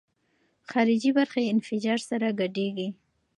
خارجي برخې انفجار سره ګډېږي.